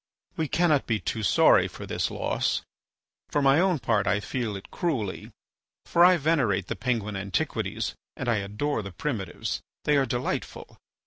We cannot be too sorry for this loss. For my own part I feel it cruelly, for I venerate the Penguin antiquities and I adore the primitives. They are delightful.